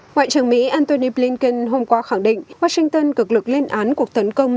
ngoại trưởng mỹ antony blinken hôm qua khẳng định washington cực lực lên án cuộc tấn công